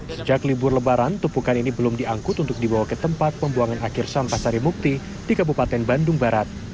sejak libur lebaran tupukan ini belum diangkut untuk dibawa ke tempat pembuangan akhir sampah sarimukti di kabupaten bandung barat